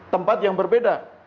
tempat yang berbeda